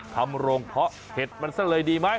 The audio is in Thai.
ทำโรงเพาะเห็ดมันซะเลยดีไหม